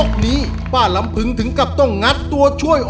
เขาชอบเพลงภูมิภวงด้วย